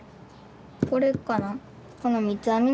これかな。